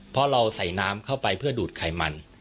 เพราะเราใส่น้ำเข้าไปเพื่อดูดไขมัน